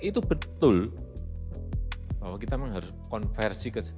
itu betul bahwa kita harus konversi ke situ